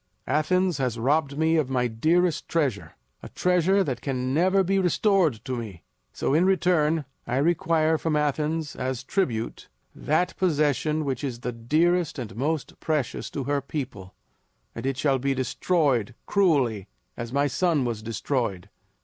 Athens has robbed me of my dearest treasure, a treasure that can never be restored to me; so, in return, I require from Athens, as tribute, that possession which is the dearest and most precious to her people; and it shall be destroyed cruelly as my son was destroyed."